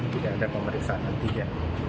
pastikan tidak ada pemeriksaan ketiga